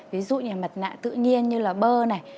ví dụ như mặt nạ tự nhiên như là bơ này